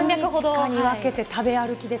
何日かに分けて食べ歩きです